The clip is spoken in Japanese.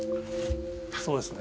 そうですね